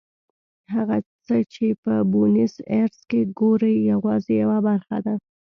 هغه څه چې په بونیس ایرس کې ګورئ یوازې یوه برخه ده.